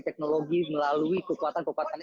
teknologi melalui kekuatan kekuatan